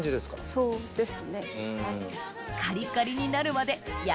そうです。